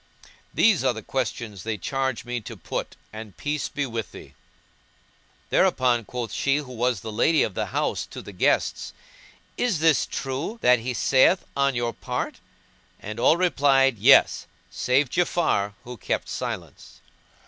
These are the questions they charge me to put, and peace be with thee."[FN#187] Thereupon quoth she who was the lady of the house to the guests, "Is this true that he saith on your part?" and all replied, "Yes!" save Ja'afar who kept silence.